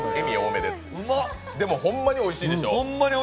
でもほんまにおいしいでしょ？